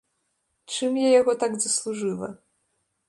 Чым я яго так заслужыла?